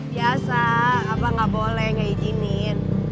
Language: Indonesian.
biasa apa gak boleh gak izinin